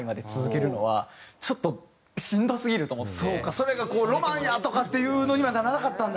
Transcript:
それがロマンや！とかっていうのにはならなかったんだ。